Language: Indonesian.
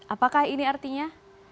apakah ini artinya